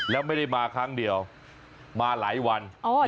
แล้วไม่ได้มาครั้งเดียวมาหลายวัน